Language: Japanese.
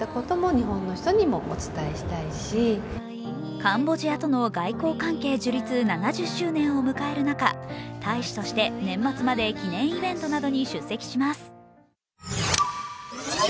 カンボジアとの外交関係樹立７０周年を迎える中、大使として年末まで記念イベントなどに出席します。